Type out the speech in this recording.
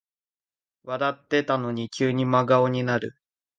笑ってたのに急に真顔になる